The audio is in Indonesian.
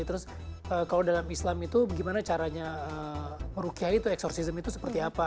terus kalo dalam islam itu gimana caranya merukiyah itu eksorsism itu seperti apa